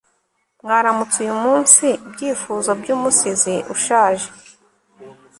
Mwaramutse uyumunsi ibyifuzo byumusizi ushaje